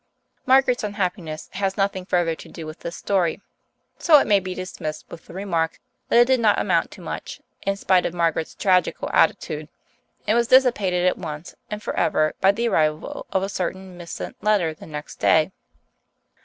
Margaret's unhappiness has nothing further to do with this story, so it may be dismissed with the remark that it did not amount to much, in spite of Margaret's tragical attitude, and was dissipated at once and forever by the arrival of a certain missent letter the next day.